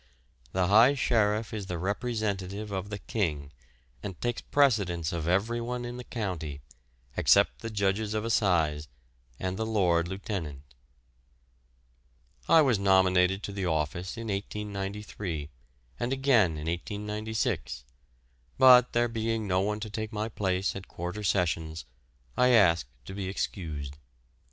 The High Sheriff is the representative of the King, and takes precedence of everyone in the county, except the Judges of Assize and the Lord Lieutenant. I was nominated to the office in 1893, and again in 1896, but, there being no one to take my place at Quarter Sessions, I asked to be excused.